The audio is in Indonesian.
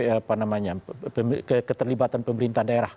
apa namanya keterlibatan pemerintah daerah